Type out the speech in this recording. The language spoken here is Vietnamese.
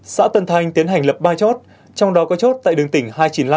xã tân thanh tiến hành lập ba chốt trong đó có chốt tại đường tỉnh hai trăm chín mươi năm